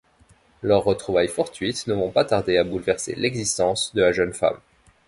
Leurs retrouvailles fortuites ne vont pas tarder à bouleverser l'existence de la jeune femme.